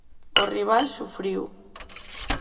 O rival sufriu.